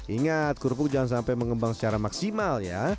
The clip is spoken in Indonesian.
ingat kerupuk jangan sampai mengembang secara maksimal ya